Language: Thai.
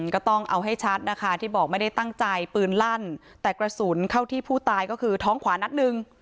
ก็ต้องเอาให้ชัดนะคะที่บอกไม่ได้ตั้งใจปืนลั่นแต่กระสุนเข้าที่ผู้ตายก็คือท้องขวานัดหนึ่ง